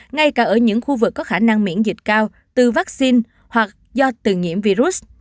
ngay cả ở những khu vực có khả năng miễn dịch cao từ vaccine hoặc do từng nhiễm virus